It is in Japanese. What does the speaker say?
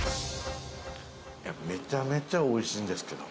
めちゃめちゃおいしいんですけど。